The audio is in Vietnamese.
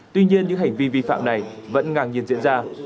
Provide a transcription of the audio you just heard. tuy nhiên những hành vi vi phạm này vẫn ngang nhiên diễn ra